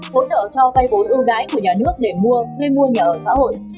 hỗ trợ cho tay bốn ưu đái của nhà nước để mua thuê mua nhà ở xã hội